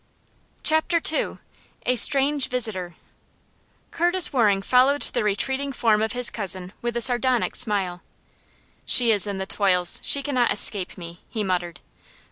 Chapter II. A Stranger Visitor. Curtis Waring followed the retreating form of his cousin with a sardonic smile. "She is in the toils! She cannot escape me!" he muttered.